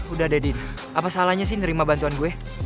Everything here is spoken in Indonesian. udah deddy apa salahnya sih nerima bantuan gue